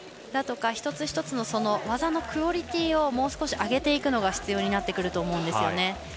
一つ一つの技のクオリティーをもう少し上げていくことが必要になってくると思います。